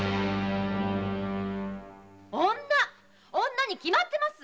・女に決まってますよ！